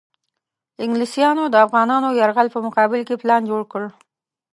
انګلیسیانو د افغانانو یرغل په مقابل کې پلان جوړ کړ.